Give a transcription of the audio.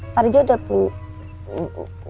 pak rizal udah